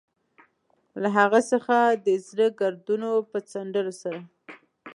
له هغه څخه د زړو ګردونو په څنډلو سره.